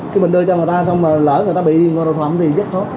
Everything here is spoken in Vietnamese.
khi mình đưa cho người ta xong mà lỡ người ta bị đột thuận thì rất khó